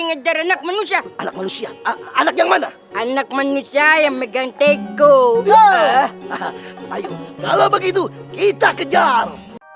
kejar anak manusia anak manusia anak yang mana anak manusia yang megang teguk kita kejar